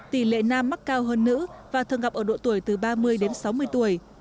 tỷ lệ nam mắc cao hơn nữ và thường gặp ở độ tuổi từ ba mươi đến sáu mươi tuổi